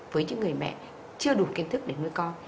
với những người mẹ chưa đủ kiến thức để nuôi con